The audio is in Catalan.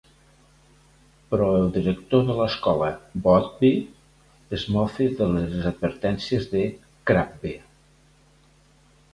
Però el director de l'escola, Boothby, es mofa de les advertències de Crabbe.